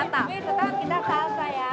kita pilih tangan kita salsa ya